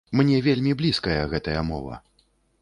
Мне вельмі блізкая гэтая мова.